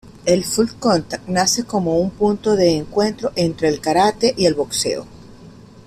El full contact nace como punto de encuentro entre el Karate y el boxeo.